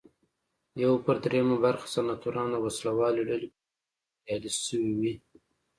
یو پر درېیمه برخه سناتوران د وسله والې ډلې په ملاتړ بریالي شوي وي.